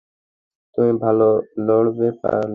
তুমি ভালো লড়তে পারো।